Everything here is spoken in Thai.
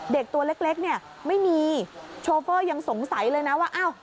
ตัวเล็กเนี่ยไม่มีโชเฟอร์ยังสงสัยเลยนะว่าอ้าว